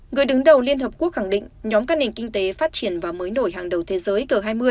người đứng đầu liên hợp quốc khẳng định nhóm các nền kinh tế phát triển và mới nổi hàng đầu thế giới g hai mươi